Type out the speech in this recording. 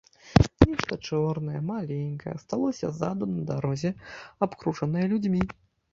Нешта чорнае, маленькае асталося ззаду на дарозе, абкружанае людзьмі.